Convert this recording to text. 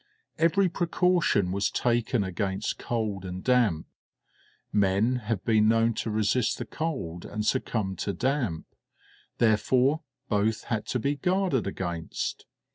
Every precaution was taken against cold and damp; men have been known to resist the cold and succumb to damp; therefore both had to be guarded against.